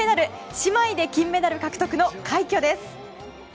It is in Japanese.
姉妹で金メダル獲得の快挙です。